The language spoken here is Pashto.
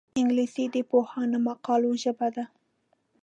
انګلیسي د پوهانو مقالو ژبه ده